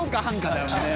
だよね。